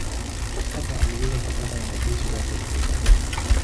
Hapa aliweza kupata wanajeshi wapya kutoka pwani.